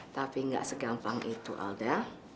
tapi enggak segampang itu alda